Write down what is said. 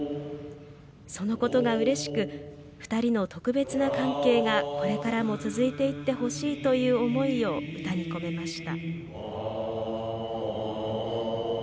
そのことが、うれしく２人の特別な関係がこれからも続いていってほしいという思いを歌に込めました。